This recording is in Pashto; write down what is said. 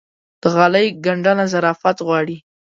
د غالۍ ګنډنه ظرافت غواړي.